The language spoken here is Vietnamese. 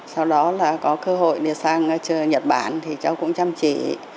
sau đó là có cơ hội đi sang chơi ở nhật bản thì cháu cũng chăm chỉ